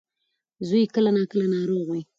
زوی یې کله ناکله دروغ وايي.